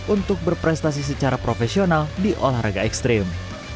untuk berprestasi secara profesional di olahraga ekstrim